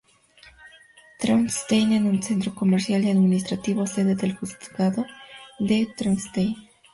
Traunstein es un centro comercial y administrativo, sede del Juzgado de Traunstein.